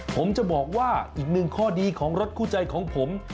ผมจะบอกว่าอีกหนึ่งข้อดีของรถคู่ใจของผม